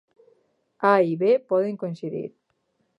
"A" i "B" poden coincidir.